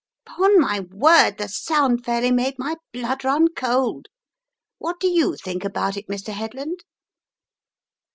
Ton my word, the sound fairly made my blood run cold. What do you think about it, Mr. Headland?